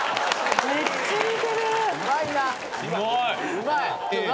うまいな。